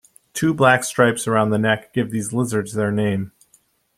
Two black stripes around the neck give these lizards their name.